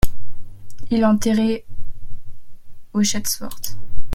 Il est enterré au à Chatsworth.